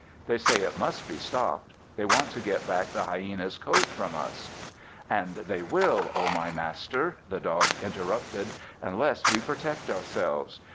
They say it must be stopped. They want to get back the hyena's coat from us." "And they will, oh, my master," the dog interrupted, "unless we protect ourselves.